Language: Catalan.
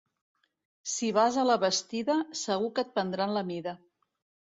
Si vas a la Bastida, segur que et prendran la mida.